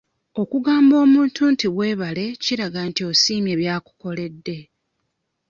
Okugamba omuntu nti weebale kiraga nti osiimye bya kukoledde.